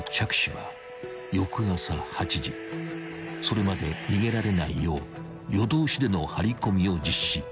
［それまで逃げられないよう夜通しでの張り込みを実施］